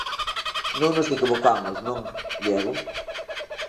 Non nos equivocamos, non, Diego?